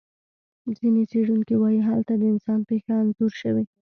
ځینې څېړونکي وایي هلته د انسان پېښه انځور شوې.